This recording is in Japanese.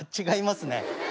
違いますね。